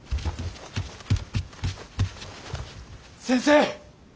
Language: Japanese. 先生！